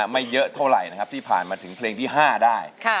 ไม่เยอะเท่าไหร่นะครับที่ผ่านมาถึงเพลงที่๕ได้